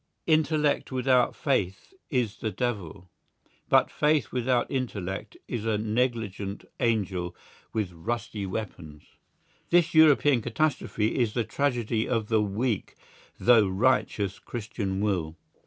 Intellect without faith is the devil, but faith without intellect is a negligent angel with rusty weapons. This European catastrophe is the tragedy of the weak though righteous Christian will.